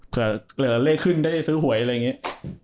เหลือเลขขึ้นได้ซื้อหวยอะไรอย่างนี้